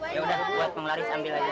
ya udah buat penglaris ambil aja